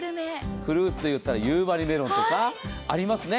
フルーツで言ったら夕張メロンとかありますよね。